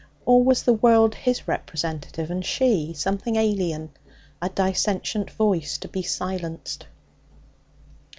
Or was the world His representative, and she something alien, a dissentient voice to be silenced?